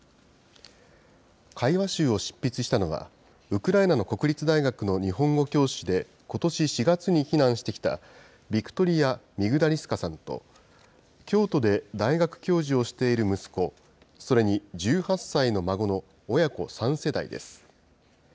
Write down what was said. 会話集を執筆したのは、ウクライナの国立大学の日本語教師で、ことし４月に避難してきた、ビクトリア・ミグダリスカさんと、京都で大学教授をしている息子、それに１８歳の孫の親子３世代です。